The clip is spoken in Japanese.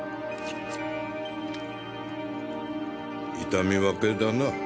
痛み分けだな。